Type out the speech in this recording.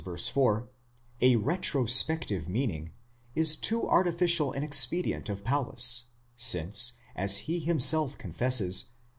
4), a retrospective meaning, is too artificial an expedient of Paulus, since, as he himself confesses